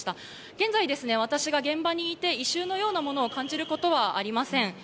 現在、私が現場にいて、異臭のようなものを感じることはありません。